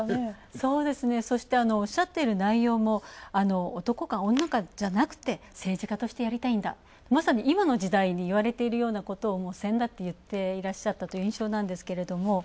そうですね、そしておっしゃっている内容も男か女かじゃなくて政治家としてやりたいんだ、まさに今の時代にいわれているような先だって言っていらっしゃった印象なんですけれども。